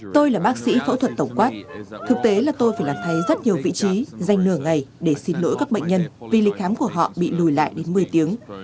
tôi là bác sĩ phẫu thuật tổng quát thực tế là tôi phải làm thấy rất nhiều vị trí dành nửa ngày để xin lỗi các bệnh nhân vì lịch khám của họ bị lùi lại đến một mươi tiếng